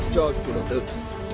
cho chủ đầu tượng